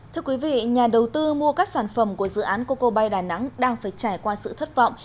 thưa quý vị nhà đầu tư mua các sản phẩm của dự án coco bay đà nẵng đang phải trải qua sự thất vọng